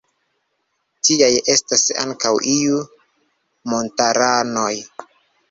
Tiaj estas ankaŭ iuj montaranoj.